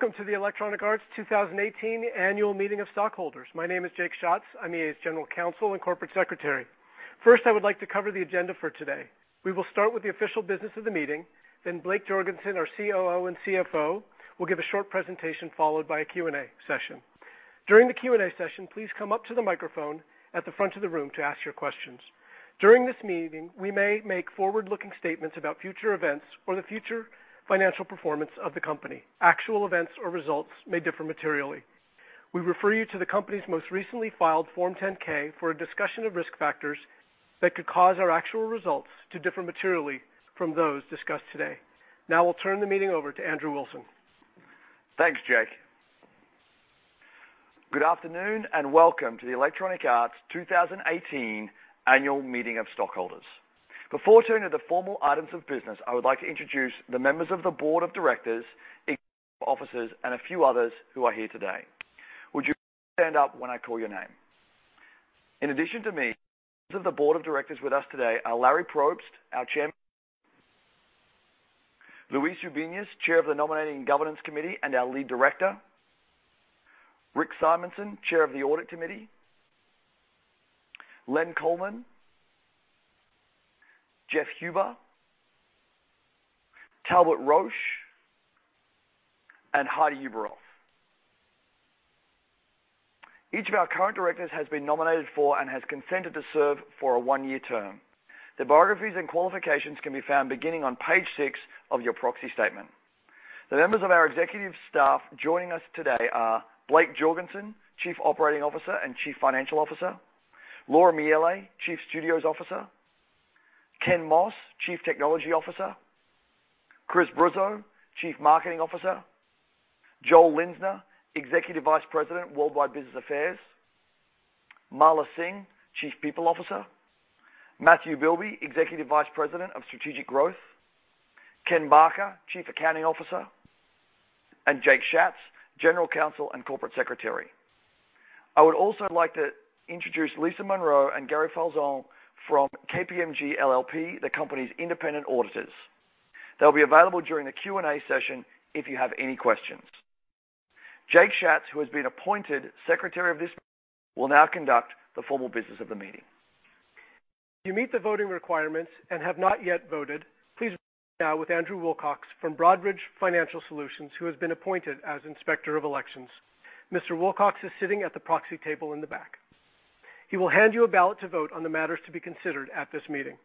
Welcome to the Electronic Arts 2018 Annual Meeting of Stockholders. My name is Jacob Schatz. I'm EA's General Counsel and Corporate Secretary. First, I would like to cover the agenda for today. We will start with the official business of the meeting. Blake Jorgensen, our COO and CFO, will give a short presentation followed by a Q&A session. During the Q&A session, please come up to the microphone at the front of the room to ask your questions. During this meeting, we may make forward-looking statements about future events or the future financial performance of the company. Actual events or results may differ materially. We refer you to the company's most recently filed Form 10-K for a discussion of risk factors that could cause our actual results to differ materially from those discussed today. I'll turn the meeting over to Andrew Wilson. Thanks, Jake. Good afternoon, and welcome to the Electronic Arts 2018 Annual Meeting of Stockholders. Before turning to the formal items of business, I would like to introduce the members of the Board of Directors, executive officers, and a few others who are here today. Would you please stand up when I call your name. In addition to me, members of the Board of Directors with us today are Larry Probst, our Chairman. Luis Ubiñas, Chair of the Nominating and Governance Committee and our Lead Director. Rick Simonson, Chair of the Audit Committee. Leonard Coleman. Jeff Huber. Talbott Roche, and Heidi Ueberroth. Each of our current directors has been nominated for and has consented to serve for a one-year term. Their biographies and qualifications can be found beginning on page six of your proxy statement. The members of our executive staff joining us today are Blake Jorgensen, Chief Operating Officer and Chief Financial Officer. Laura Miele, Chief Studios Officer. Ken Moss, Chief Technology Officer. Chris Bruzzo, Chief Marketing Officer. Joel Linzner, Executive Vice President, Worldwide Business Affairs. Mala Singh, Chief People Officer. Matthew Bilbey, Executive Vice President of Strategic Growth. Ken Barker, Chief Accounting Officer, and Jake Schatz, General Counsel and Corporate Secretary. I would also like to introduce Lisa Monroe and Gary Falzon from KPMG LLP, the company's independent auditors. They'll be available during the Q&A session if you have any questions. Jake Schatz, who has been appointed secretary of this meeting, will now conduct the formal business of the meeting. If you meet the voting requirements and have not yet voted, please vote now with Andrew Wilcox from Broadridge Financial Solutions, who has been appointed as Inspector of Elections. Mr. Wilcox is sitting at the proxy table in the back. He will hand you a ballot to vote on the matters to be considered at this meeting.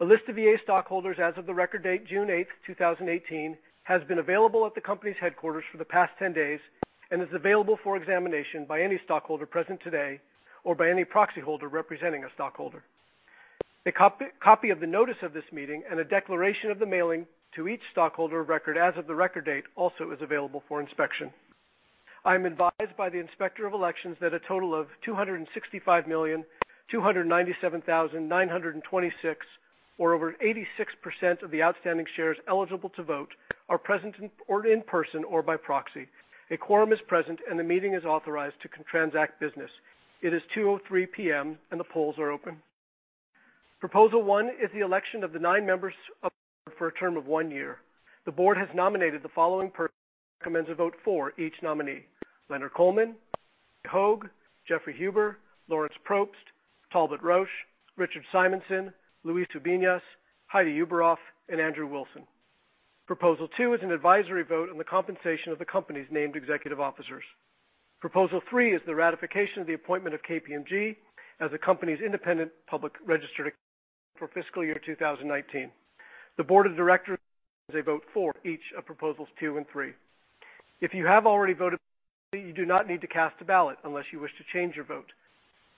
A list of EA stockholders as of the record date, June 8th, 2018, has been available at the company's headquarters for the past 10 days and is available for examination by any stockholder present today or by any proxyholder representing a stockholder. A copy of the notice of this meeting and a declaration of the mailing to each stockholder of record as of the record date also is available for inspection. I am advised by the Inspector of Elections that a total of 265,297,926, or over 86% of the outstanding shares eligible to vote, are present in person or by proxy. A quorum is present and the meeting is authorized to transact business. It is 2:03 P.M. and the polls are open. Proposal 1 is the election of the 9 members of the board for a term of 1 year. The board has nominated the following persons and recommends a vote for each nominee: Leonard Coleman, Blake Jorgensen, Jeffrey Huber, Lawrence Probst, Talbott Roche, Richard Simonson, Luis Ubiñas, Heidi Ueberroth, and Andrew Wilson. Proposal 2 is an advisory vote on the compensation of the company's named executive officers. Proposal 3 is the ratification of the appointment of KPMG as the company's independent public registered accountant for fiscal year 2019. The Board of Directors recommends a vote for each of Proposals 2 and 3. If you have already voted by proxy, you do not need to cast a ballot unless you wish to change your vote.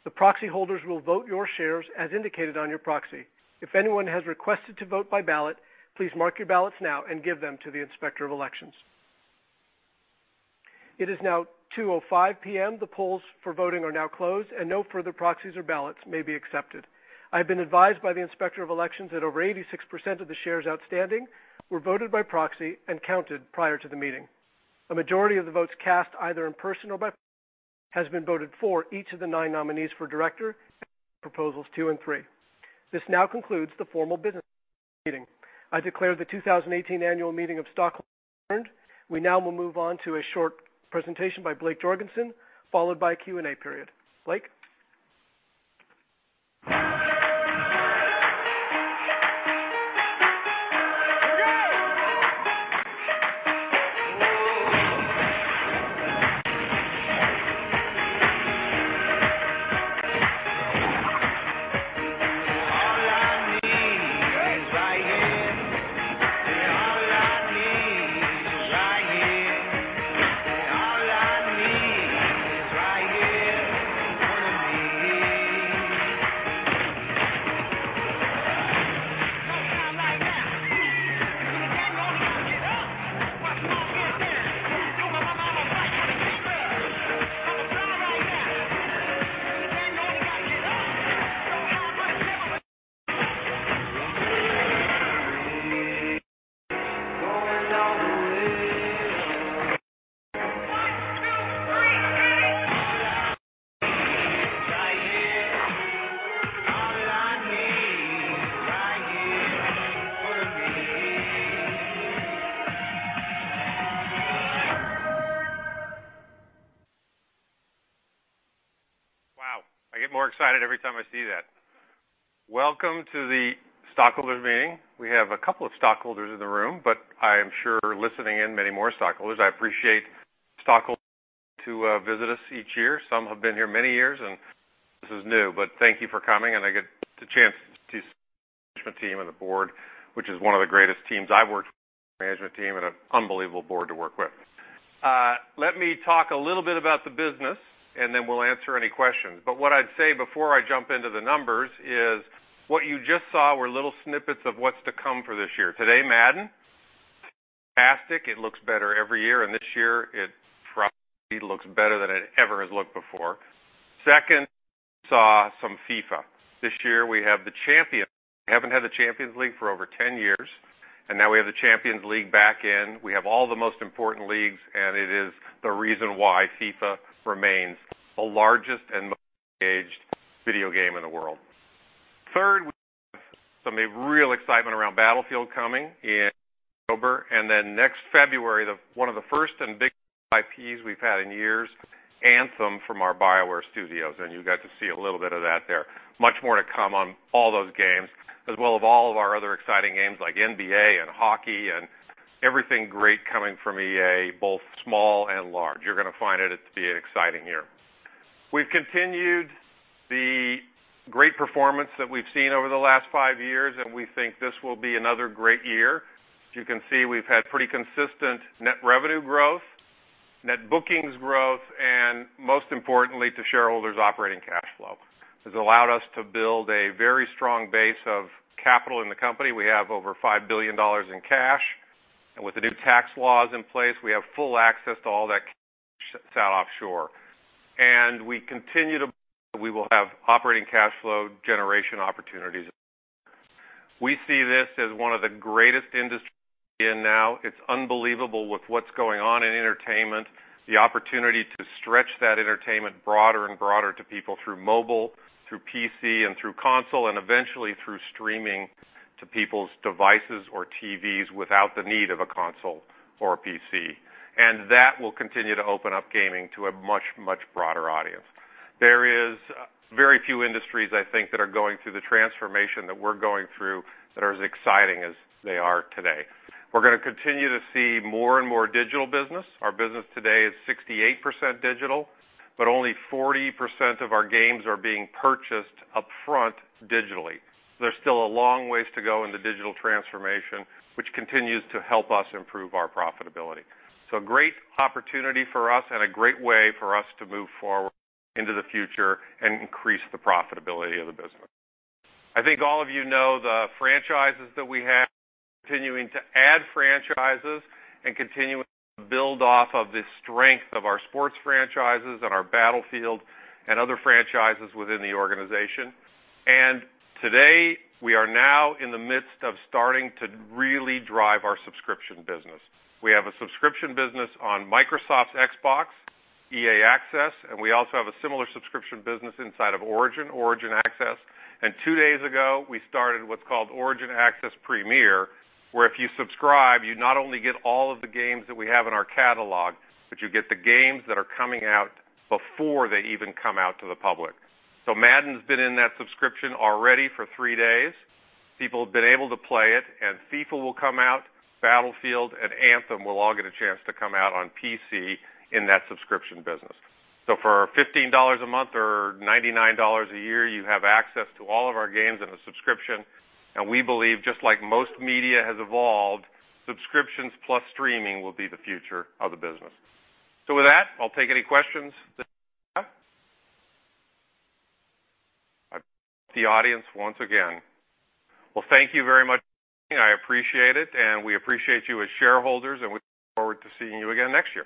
The proxy holders will vote your shares as indicated on your proxy. If anyone has requested to vote by ballot, please mark your ballots now and give them to the Inspector of Elections. It is now 2:05 P.M. The polls for voting are now closed, and no further proxies or ballots may be accepted. I have been advised by the Inspector of Elections that over 86% of the shares outstanding were voted by proxy and counted prior to the meeting. A majority of the votes cast, either in person or by proxy, has been voted for each of the 9 nominees for director and for Proposals 2 and 3. This now concludes the formal business of the meeting. I declare the 2018 Annual Meeting of Stockholders adjourned. We now will move on to a short presentation by Blake Jorgensen, followed by a Q&A period. Blake. All I need is right here. All I need is right here. All I need is right here in front of me. No time like now. You see the time, no time, get up. Watch me march to the dance. Told my mama I'm a fight when I get there. No time like now. You see the time, know you gotta get up. No time for the devil with the details. Going all the way, oh Wow, I get more excited every time I see that. Welcome to the Stockholders Meeting. We have a couple of stockholders in the room, but I am sure listening in, many more stockholders. I appreciate stockholders who visit us each year. Some have been here many years, and this is new, but thank you for coming, and I get the chance to see the management team and the board, which is one of the greatest teams I have worked with, management team and an unbelievable board to work with. Let me talk a little bit about the business, and then we will answer any questions. What I would say before I jump into the numbers is what you just saw were little snippets of what is to come for this year. Today, Madden. Fantastic. It looks better every year, and this year it probably looks better than it ever has looked before. Second, we saw some FIFA. This year we have the Champions League. We have not had the Champions League for over 10 years, and now we have the Champions League back in. We have all the most important leagues, and it is the reason why FIFA remains the largest and most engaged video game in the world. Third, we have some real excitement around Battlefield coming in October, and then next February, one of the first and biggest IPs we have had in years, Anthem from our BioWare studios. You got to see a little bit of that there. Much more to come on all those games as well of all of our other exciting games like NBA and Hockey and everything great coming from EA, both small and large. You are going to find it to be an exciting year. We have continued the great performance that we have seen over the last five years, and we think this will be another great year. As you can see, we have had pretty consistent net revenue growth, net bookings growth, and most importantly to shareholders, operating cash flow. This allowed us to build a very strong base of capital in the company. We have over $5 billion in cash. With the new tax laws in place, we have full access to all that cash that has sat offshore. We continue to believe that we will have operating cash flow generation opportunities. We see this as one of the greatest industries to be in now. It is unbelievable with what is going on in entertainment, the opportunity to stretch that entertainment broader and broader to people through mobile, through PC, and through console, and eventually through streaming to people's devices or TVs without the need of a console or a PC. That will continue to open up gaming to a much, much broader audience. There is very few industries, I think, that are going through the transformation that we are going through that are as exciting as they are today. We are going to continue to see more and more digital business. Our business today is 68% digital, but only 40% of our games are being purchased up front digitally. There is still a long ways to go in the digital transformation, which continues to help us improve our profitability. A great opportunity for us and a great way for us to move forward into the future and increase the profitability of the business. I think all of you know the franchises that we have. We're continuing to add franchises and continuing to build off of the strength of our sports franchises and our Battlefield and other franchises within the organization. Today, we are now in the midst of starting to really drive our subscription business. We have a subscription business on Microsoft's Xbox, EA Access, and we also have a similar subscription business inside of Origin Access. Two days ago, we started what's called Origin Access Premier, where if you subscribe, you not only get all of the games that we have in our catalog, but you get the games that are coming out before they even come out to the public. Madden's been in that subscription already for three days. People have been able to play it and FIFA will come out, Battlefield, and Anthem will all get a chance to come out on PC in that subscription business. For $15 a month or $99 a year, you have access to all of our games in a subscription. We believe, just like most media has evolved, subscriptions plus streaming will be the future of the business. With that, I'll take any questions that you have. I've lost the audience once again. Well, thank you very much for coming. I appreciate it, and we appreciate you as shareholders, and we look forward to seeing you again next year.